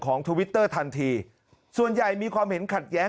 ทวิตเตอร์ทันทีส่วนใหญ่มีความเห็นขัดแย้ง